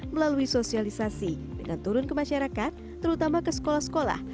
melalui sosialisasi dengan turun ke masyarakat terutama ke sekolah sekolah